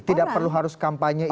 tidak perlu harus kampanye